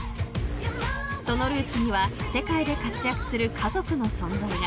［そのルーツには世界で活躍する家族の存在が］